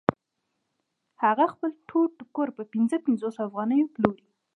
هغه خپل ټول ټوکر په پنځه پنځوس افغانیو پلوري